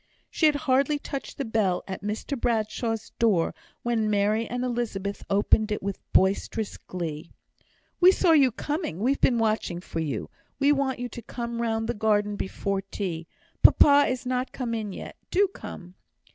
She had hardly touched the bell at Mr Bradshaw's door, when Mary and Elizabeth opened it with boisterous glee. "We saw you coming we've been watching for you we want you to come round the garden before tea; papa is not come in yet. Do come!"